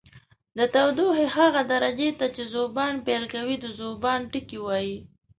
د تودوخې هغه درجې ته چې ذوبان پیل کوي د ذوبان ټکی وايي.